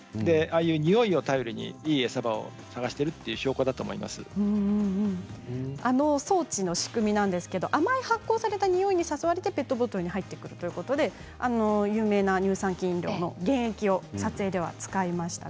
においを頼りにいい餌場をあの装置の仕組みですが甘い発酵されたにおいに誘われてペットボトルに入ってくるということで有名な乳酸菌飲料の原液を撮影では使いました。